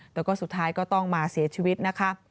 แล้วก็สุดท้ายก็ต้องมาเสียชีวิตนะคะ